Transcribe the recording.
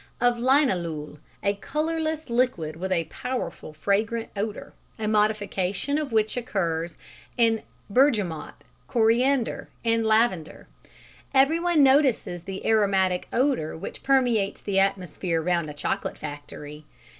of linalool, a colourless liquid with a powerful fragrant odour, a modification of which occurs in bergamot, coriander and lavender. Everyone notices the aromatic odour which permeates the atmosphere round a chocolate factory.